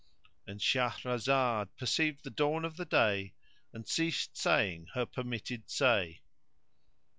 And Shahrazad perceived the dawn of day and ceased saying her permitted say.